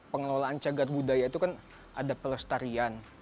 pengelolaan cagar budaya itu kan ada pelestarian